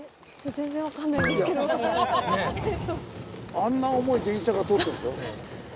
あんな重い電車が通ってるでしょ。